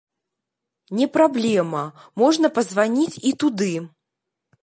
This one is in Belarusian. Не праблема, можна пазваніць і туды.